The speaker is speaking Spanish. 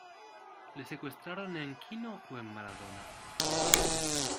¿Le secuestraron en Quino o en Maradona?